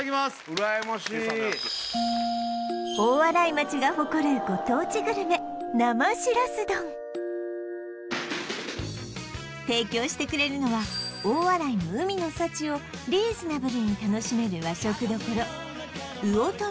うらやましい大洗町が誇るご当地グルメ生しらす丼提供してくれるのは大洗の海の幸をリーズナブルに楽しめる和食処魚留